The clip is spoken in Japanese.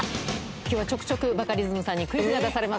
今日はちょくちょくバカリズムさんにクイズが出されます。